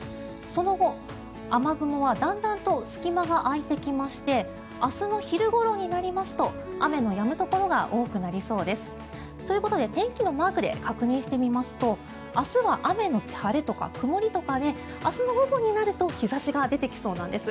その後、雨雲はだんだんと隙間が空いてきまして明日の昼ごろになりますと雨のやむところが多くなりそうです。ということで天気のマークで確認してみますと明日は雨のち晴れとか曇りとかで明日の午後になると日差しが出てきそうなんです。